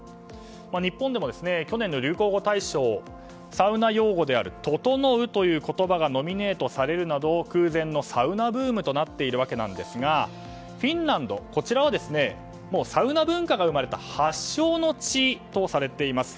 日本でも、去年の流行語大賞サウナ用語であるととのうという言葉がノミネートされるなど空前のサウナブームとなっているわけですがフィンランドはサウナ文化が生まれた発祥の地とされています。